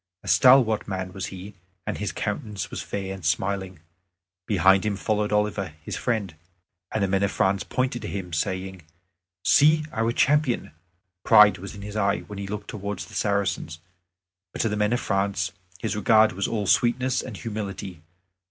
A stalwart man was he, and his countenance was fair and smiling. Behind him followed Oliver, his friend; and the men of France pointed to him, saying, "See our champion!" Pride was in his eye when he looked towards the Saracens; but to the men of France his regard was all sweetness and humility.